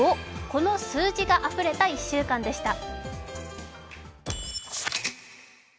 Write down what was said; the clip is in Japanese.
５、この数字があふれた１週間でした。